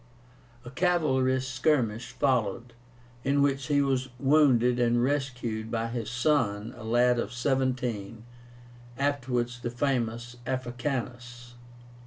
A cavalry skirmish followed, in which he was wounded and rescued by his son, a lad of seventeen, afterwards the famous Africanus.